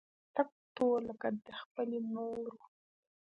تک تور لکه د خپلې مور و.